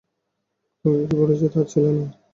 তোকে কি বলেছি তার ছেলে নেই?